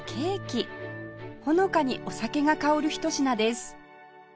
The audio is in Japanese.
ほのかにお酒が香る一品です